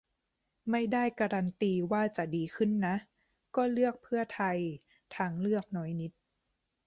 ไม่ได้การันตีว่าจะดีขึ้นนะ ก็เลือกเพื่อไทย; ทางเลือกน้อยนิด